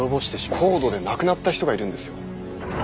ＣＯＤＥで亡くなった人がいるんですよ？